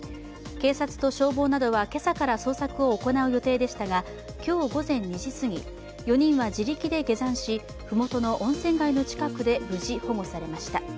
警察と消防などは今朝から捜索を行う予定でしたが今日午前２時すぎ４人は自力で下山し麓の温泉街の近くで無事、保護されました。